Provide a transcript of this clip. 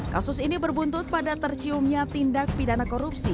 kasus ini berbuntut pada terciumnya tindak pidana korupsi